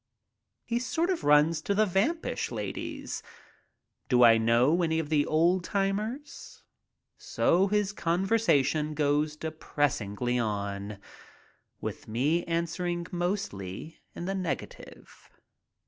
He sort of runs to the vampish ladies. Do I know any of the old timers? So his conversation goes depressingly on, with me answering mostly in the negative.